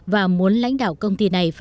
và muốn lãnh đạo công ty này